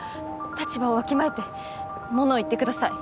立場をわきまえて物を言ってください。